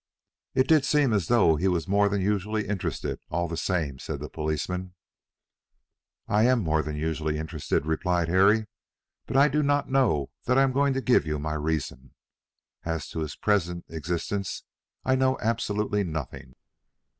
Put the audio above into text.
"It did seem as though he was more than usually interested, all the same," said the policeman. "I am more than usually interested," replied Harry; "but I do not know that I am going to give you my reason. As to his present existence I know absolutely nothing."